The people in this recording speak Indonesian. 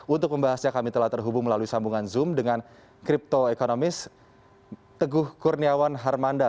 untuk membahasnya kami telah terhubung melalui sambungan zoom dengan kripto ekonomis teguh kurniawan harmanda